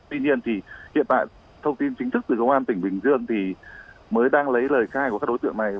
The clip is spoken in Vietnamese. tuy nhiên thì hiện tại thông tin chính thức từ công an tỉnh bình dương thì mới đang lấy lời khai của các đối tượng này